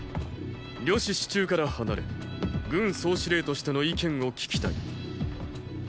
呂氏四柱から離れ軍総司令としての意見を聞きたい。